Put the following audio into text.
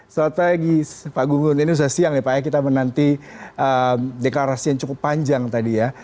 selamat pagi pak gunggun ini sudah siang ya pak ya kita menanti deklarasi yang cukup panjang tadi ya